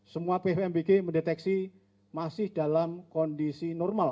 semua pvmbg mendeteksi masih dalam kondisi normal